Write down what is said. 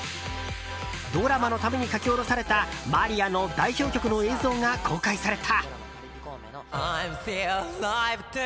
ドラマのために書き下ろされたマリアの代表曲の映像が公開された。